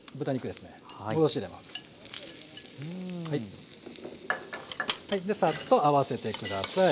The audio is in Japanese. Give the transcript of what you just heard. でサッと合わせて下さい。